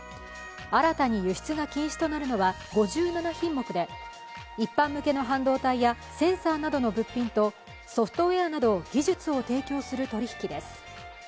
新たに輸出が禁止となるのは５７品目で一般向けの半導体やセンサーなどの物品や、ソフトウエアなど、技術を提供する取り引きです。